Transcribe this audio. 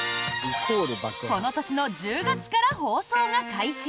この年の１０月から放送が開始。